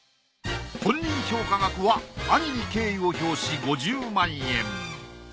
本人評価額は兄に敬意を表し５０万円。